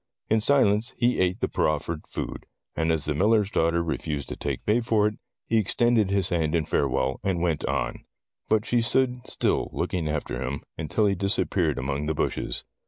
In silence he ate the proffered food, and as the miller's daughter refused to take pay for it, he extended his hand in farewell, and went on. But she stood still, looking after him, until he disappeared among the bushes.